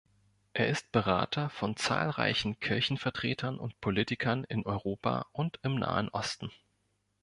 Er ist Berater von zahlreichen Kirchenvertretern und Politikern in Europa und im Nahen Osten.